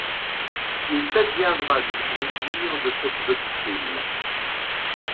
Il t’adviendra du desplaisir de ceste doctrine.